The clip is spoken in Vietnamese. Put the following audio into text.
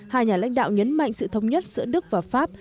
hai nhà lãnh đạo nhấn mạnh sự thống nhất giữa đức và pháp